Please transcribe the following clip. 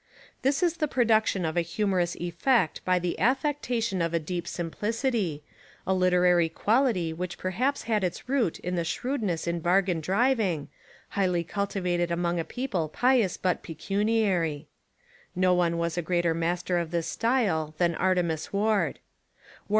This is the production of a humorous effect by the affectation of a deep simplicity, a literary quality which perhaps had its root in the shrewd ness in bargain driving, highly cultivated among a people pious but pecuniary. No one was a greater master of this style than Artemus Ward.